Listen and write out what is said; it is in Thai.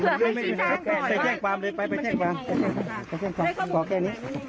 มันไม่ได้ไปเชี่ยงความเลยไปไปเชี่ยงความไปเชี่ยงความขอแค่นี้